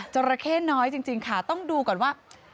ราเข้น้อยจริงค่ะต้องดูก่อนว่า